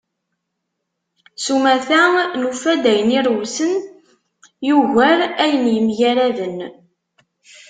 S umata, nufa-d ayen irewsen yugar ayen yemgaraden.